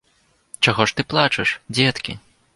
Чаго ж ты плачаш, дзеткі!